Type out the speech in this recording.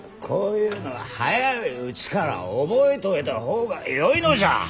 こういうのは早いうちから覚えといた方がよいのじゃ。